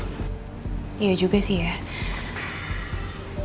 biar banyak waktu beristirahat aja ya kita pulang